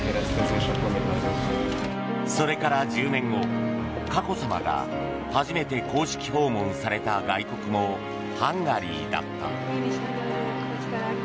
それから１０年後佳子さまが初めて公式訪問された外国もハンガリーだった。